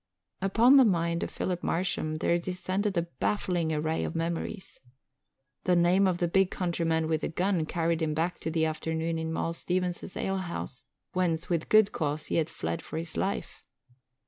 Upon the mind of Philip Marsham there descended a baffling array of memories. The name of the big countryman with the gun carried him back to that afternoon in Moll Stevens's alehouse, whence with good cause he had fled for his life.